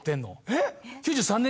えっ？